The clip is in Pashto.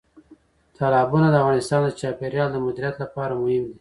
تالابونه د افغانستان د چاپیریال د مدیریت لپاره مهم دي.